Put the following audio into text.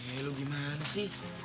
eh lu gimana sih